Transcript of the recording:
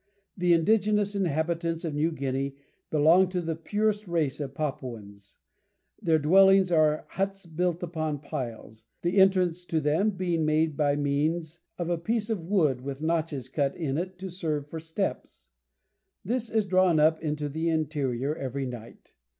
The indigenous inhabitants of New Guinea belong to the purest race of Papuans. Their dwellings are huts built upon piles, the entrance to them being made by means of a piece of wood with notches cut in it to serve for steps; this is drawn up into the interior every night.